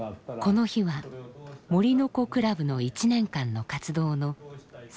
この日は森の子クラブの１年間の活動の最後の日でした。